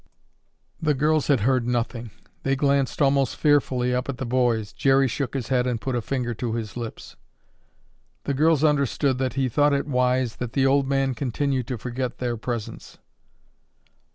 The girls had heard nothing. They glanced almost fearfully up at the boys. Jerry shook his head and put a finger to his lips. The girls understood that he thought it wise that the old man continue to forget their presence.